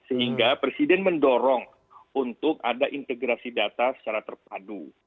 sehingga presiden mendorong untuk ada integrasi data secara terpadu